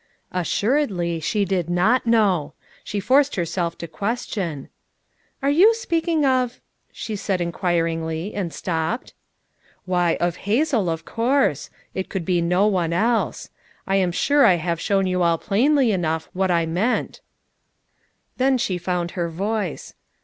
Assuredly she did not know! She forced herself to question. "You are speaking of—?" She said inquir ingly, and stopped. "Why of Hazel, of course; it could be no one else. I am sure I have shown you all plainly enough what I meant." Then she found her voice.